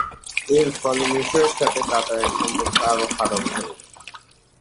এর ফলে মিশরের সাথে কাতারের সম্পর্কে আবারও ফাটল ধরে।